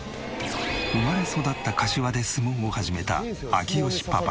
生まれ育った柏で相撲を始めた明慶パパ。